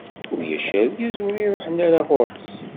Ulac argaz ur iruḥen ara ɣur-s.